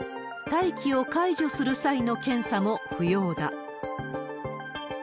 待機を解除する際の検査も不要だ。